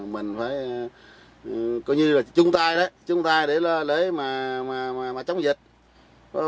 mình phải coi như là chung tay đó chung tay để mà chống dịch